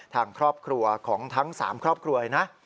ทางครอบครัวของทั้ง๓ครอบครัวเลยนะ